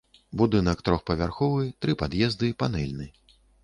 Будынак трохпавярховы, тры пад'езды, панэльны.